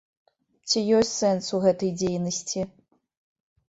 Ці ёсць сэнс у гэтай дзейнасці?